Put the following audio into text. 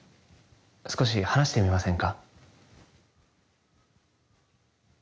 少し話してみませんか？